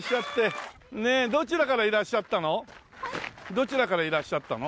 どちらからいらっしゃったの？